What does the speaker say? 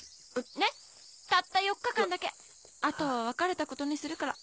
ねったった４日間だけあとは別れたことにするから。